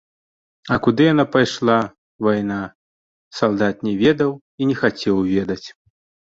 А куды яна пайшла, вайна, салдат не ведаў і не хацеў ведаць.